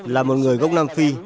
là một người gốc nam phi